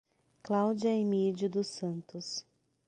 Cláudia Emidio dos Santos